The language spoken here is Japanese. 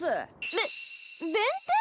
べ弁天！？